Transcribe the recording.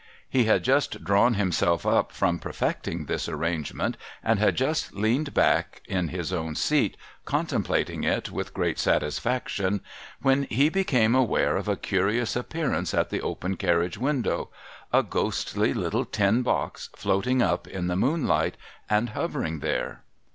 He had just drawn himself up from perfecting this arrangement, and had just leane^ back in his own seat contemplating it with great satisfaction, when he became aware of a curious appearance at the open carriage window, — a ghostly little tin box floating up in the moonlight, and hovering there.